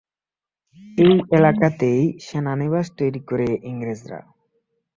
এই এলাকাতেই সেনানিবাস তৈরি করে ইংরেজরা।